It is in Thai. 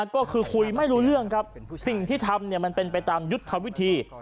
ก็คือคุยไม่รู้เรื่องครับสิ่งที่ทำมันเป็นไปตามยุทธวิธี